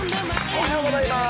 おはようございます。